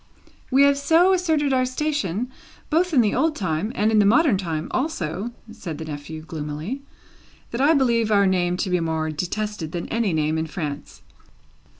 "We have so asserted our station, both in the old time and in the modern time also," said the nephew, gloomily, "that I believe our name to be more detested than any name in France."